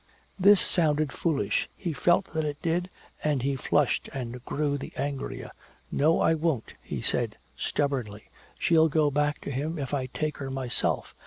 This sounded foolish, he felt that it did, and he flushed and grew the angrier. "No, I won't," he said stubbornly. "She'll go back to him if I take her myself.